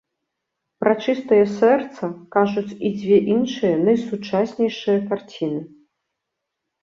Пра чыстае сэрца кажуць і дзве іншыя найсучаснейшыя карціны.